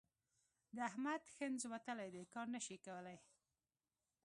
د احمد ښنځ وتلي دي؛ کار نه شي کولای.